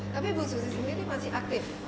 tapi bu susi sendiri masih aktif